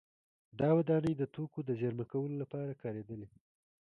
دا ودانۍ د توکو د زېرمه کولو لپاره کارېدلې